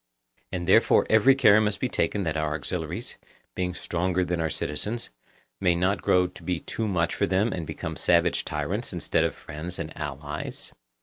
And therefore every care must be taken that our auxiliaries, being stronger than our citizens, may not grow to be too much for them and become savage tyrants instead of friends and allies?